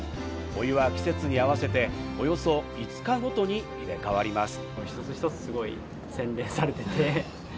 お湯は季節に合わせておよそ５日ごとに入れ替わります。